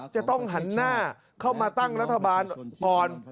จะต้องหันหน้าเข้ามาตั้งรัฐบาลก่อน